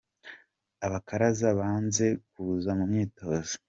Abakaraza banze kuza mumyitozo.